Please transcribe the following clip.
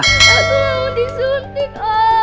aku gak mau disuntik